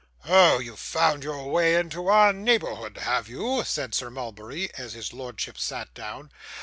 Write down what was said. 'Oh, you've found your way into our neighbourhood, have you?' said Sir Mulberry as his lordship sat down.